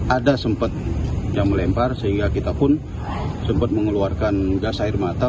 ada sempat yang melempar sehingga kita pun sempat mengeluarkan gas air mata